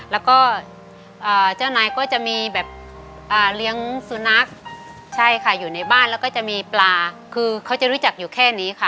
แล้วก็เจ้านายก็จะมีแบบเลี้ยงสุนัขใช่ค่ะอยู่ในบ้านแล้วก็จะมีปลาคือเขาจะรู้จักอยู่แค่นี้ค่ะ